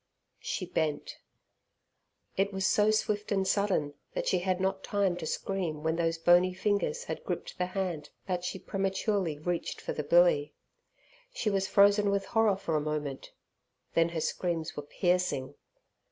She bent. It was so swift and sudden, that she had not time to scream when those bony fingers had gripped the hand that she prematurely reached for the billy. She was frozen with horror for a moment, then her screams were piercing.